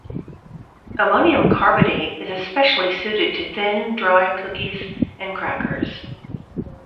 Ammonium carbonate is especially suited to thin, dry cookies and crackers.